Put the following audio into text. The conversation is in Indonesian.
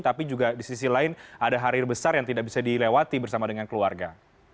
tapi juga di sisi lain ada hari besar yang tidak bisa dilewati bersama dengan keluarga